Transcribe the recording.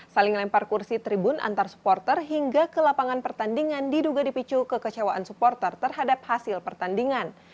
saling lempar kursi tribun antar supporter hingga ke lapangan pertandingan diduga dipicu kekecewaan supporter terhadap hasil pertandingan